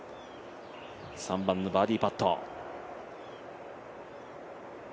３番のバーディーパット。